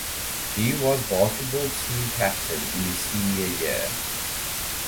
He was basketball team captain in his senior year.